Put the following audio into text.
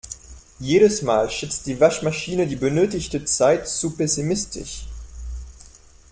Jedes Mal schätzt die Waschmaschine die benötigte Zeit zu pessimistisch.